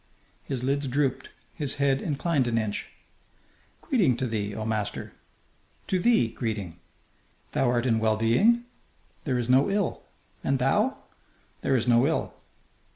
His lids drooped; his head inclined an inch. "Greeting to thee, oh, master!" "To thee, greeting!" "Thou art in well being?" "There is no ill. And thou?" "There is no ill.